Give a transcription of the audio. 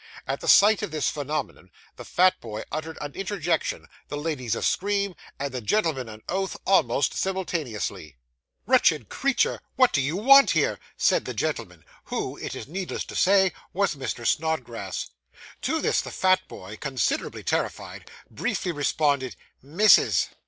At the sight of this phenomenon, the fat boy uttered an interjection, the ladies a scream, and the gentleman an oath, almost simultaneously. 'Wretched creature, what do you want here?' said the gentleman, who it is needless to say was Mr. Snodgrass. To this the fat boy, considerably terrified, briefly responded, 'Missis.